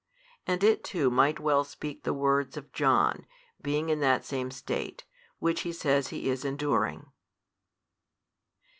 And it too might well speak the words of John, being in that same state, which he says he is enduring.